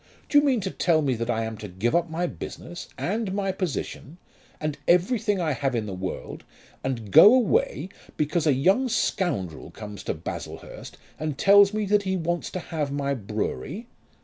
Do you mean to tell me that I am to give up my business, and my position, and everything I have in the world, and go away because a young scoundrel comes to Baslehurst and tells me that he wants to have my brewery?